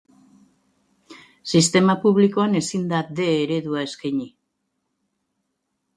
Sistema publikoan ezin da D eredua eskaini.